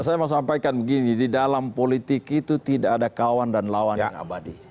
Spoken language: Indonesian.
saya mau sampaikan begini di dalam politik itu tidak ada kawan dan lawan yang abadi